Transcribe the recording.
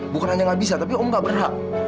bukan aja gak bisa tapi om gak berhak